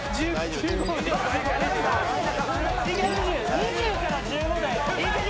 ２０から１５だよ。